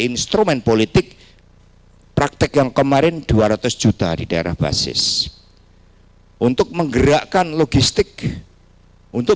instrumen politik praktek yang kemarin dua ratus juta di daerah basis untuk menggerakkan logistik untuk